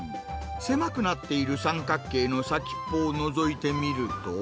狭くなっている三角形の先っぽをのぞいてみると。